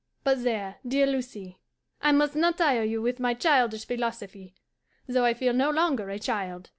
But there, dear Lucie, I must not tire you with my childish philosophy, though I feel no longer a child.